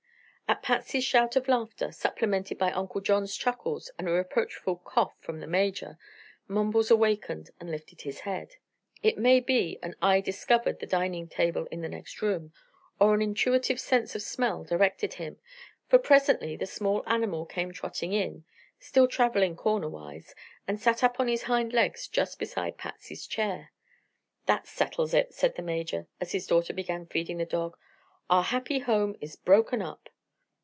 At Patsy's shout of laughter, supplemented by Uncle John's chuckles and a reproachful cough from the Major, Mumbles awakened and lifted his head. It may be an eye discovered the dining table in the next room, or an intuitive sense of smell directed him, for presently the small animal came trotting in still traveling "cornerwise" and sat up on his hind legs just beside Patsy's chair. "That settles it," said the Major, as his daughter began feeding the dog. "Our happy home is broken up."